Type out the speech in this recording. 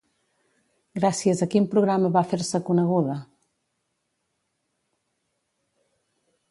Gràcies a quin programa va fer-se coneguda?